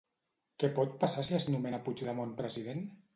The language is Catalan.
Què pot passar si es nomena Puigdemont president?